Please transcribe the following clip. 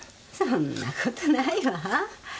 そんなことないわ。